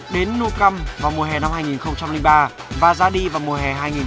đến nou camp vào mùa hè năm hai nghìn ba và ra đi vào mùa hè hai nghìn tám